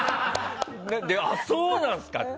あっ、そうなんすかって。